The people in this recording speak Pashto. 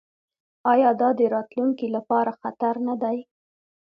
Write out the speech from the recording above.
آیا دا د راتلونکي لپاره خطر نه دی؟